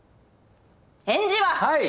返事は！？